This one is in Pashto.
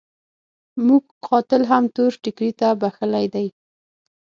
موږ قاتل هم تور ټکري ته بخښلی دی.